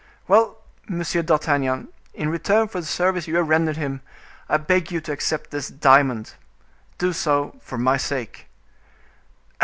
Well! Monsieur d'Artagnan, in return for the service you have rendered him, I beg you to accept this diamond. Do so for my sake."